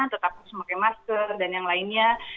tetap harus memakai masker dan yang lainnya